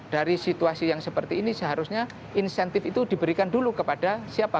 dari situasi yang seperti ini seharusnya insentif itu diberikan dulu kepada siapa